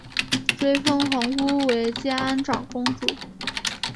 追封皇姑为建安长公主。